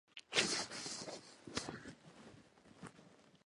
そして戸の前には金ピカの香水の瓶が置いてありました